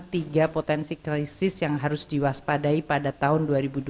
tiga potensi krisis yang harus diwaspadai pada tahun dua ribu dua puluh